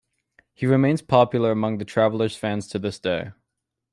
He remains popular among Travelers fans to this day.